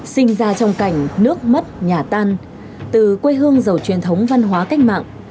sinh ra trong cảnh nước mất nhà tan từ quê hương giàu truyền thống văn hóa cách mạng